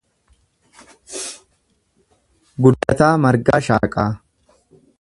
Guddataa Margaa Shaaqaa